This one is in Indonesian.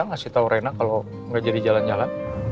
ngasih tau rena kalau nggak jadi jalan jalan